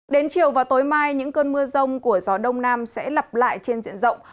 đến chiều và tối mai những cơn mưa rông của gió đông nam sẽ lặp lại trên diện rộng